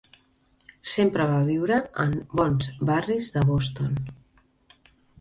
Sempre va viure en bons barris de Boston.